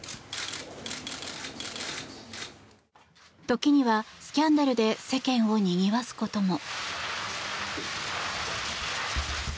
時にはスキャンダルで世間をにぎわすことも。